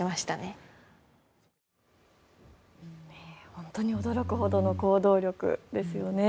本当に驚くほどの行動力ですよね。